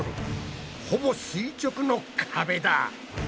ほぼ垂直の壁だ！